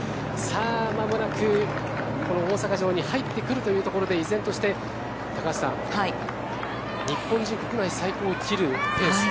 間もなく、この大阪城に入ってくるというところで依然として高橋さん日本人国内最高を切るペース。